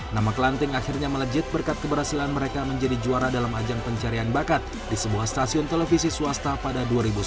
nama klanting akhirnya melejit berkat keberhasilan mereka menjadi juara dalam ajang pencarian bakat di sebuah stasiun televisi swasta pada dua ribu sepuluh